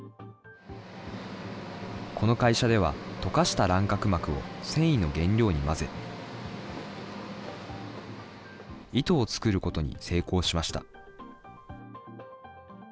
この会社では、溶かした卵殻膜を繊維の原料に混ぜ、糸を作ることに成功しました。